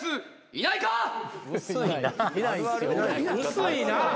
薄いなぁ。